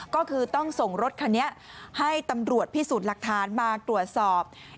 ก็คือต้องส่งรถคันนี้ให้ตำรวจพิสูจน์หลักฐานมาตรวจสอบ